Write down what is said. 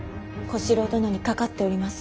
小四郎殿にかかっております。